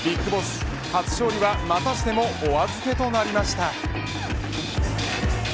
ＢＩＧＢＯＳＳ初勝利はまたしてもお預けとなりました。